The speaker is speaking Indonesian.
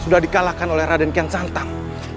sudah di kalahkan oleh raden kian santang